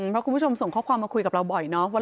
เพราะคุณผู้ชมส่งข้อความมาคุยกับเราบ่อยเนาะ